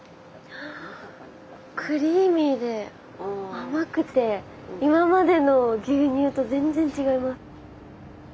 クリーミーで甘くて今までの牛乳と全然違います。